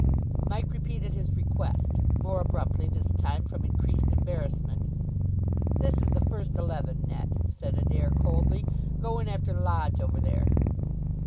Mike repeated his request. More abruptly this time, from increased embarrassment. "This is the first eleven net," said Adair coldly. "Go in after Lodge over there."